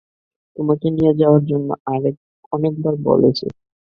তোমাকে নিয়ে যাওয়ার জন্য অনেকবার বলছে।